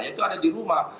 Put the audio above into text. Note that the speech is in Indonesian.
yaitu ada di rumah